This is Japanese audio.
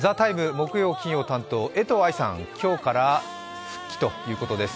木曜・金曜担当、江藤愛さん、今日から復帰ということです。